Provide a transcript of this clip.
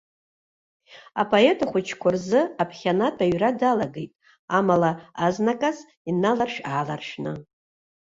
Апоет ахәыҷқәа рзы аԥхьанатә аҩра далагеит, амала азнаказ иналаршә-ааларшәны.